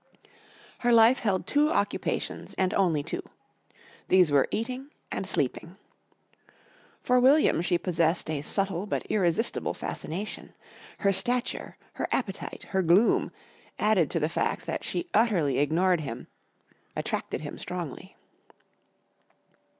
Her life held two occupations, and only two. These were eating and sleeping. For William she possessed a subtle but irresistible fascination. Her stature, her appetite, her gloom, added to the fact that she utterly ignored him, attracted him strongly.